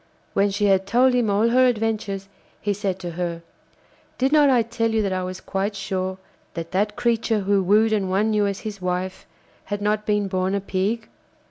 When she had told him all her adventures, he said to her: 'Did not I tell you that I was quite sure that that creature who wooed and won you as his wife had not been born a Pig?